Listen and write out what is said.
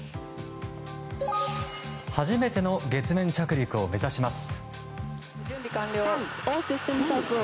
初めての月面着陸を目指します。